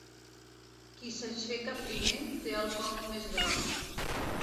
Qui s'aixeca primer té el coc més gros.